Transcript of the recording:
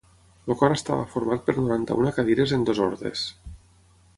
El cor estava format per noranta-una cadires en dues ordes.